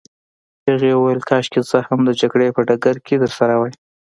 هغې وویل: کاشکې زه هم د جګړې په ډګر کي درسره وای.